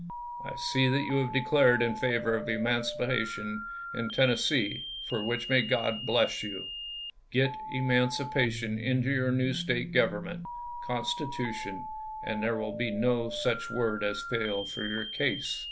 I see that you have declared in favor of emancipation in Ten nessee, for which may God bless you. Get emancipation ^1^^,^^^ ^ into your new State government — constitution — and Johnson, there will be no such word as fail for your case.